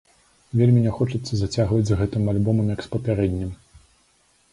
Вельмі не хочацца зацягваць з гэтым альбомам, як з папярэднім.